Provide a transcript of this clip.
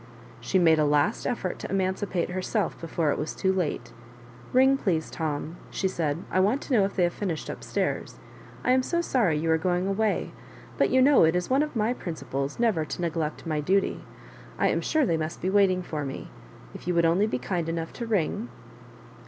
She made a last, effort to emancipate her self before it was too late. " Ring, please, Tom," she said ;" I want to know if they have finished up stairs. I am so sorry you are going away ; but you know it is one of my principles never to neglect my duty. I am sure tliey must be waiting for me — if you would only be kind enough to ring."